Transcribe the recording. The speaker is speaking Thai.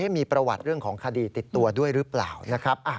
มีประวัติเรื่องของคดีติดตัวด้วยหรือเปล่านะครับ